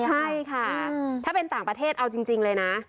ใช่ค่ะถ้าเป็นต่างประเทศเอาจริงเลยนะ